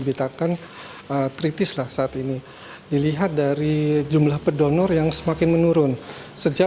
ditetapkan kritislah saat ini dilihat dari jumlah perdonor yang semakin menurun sejak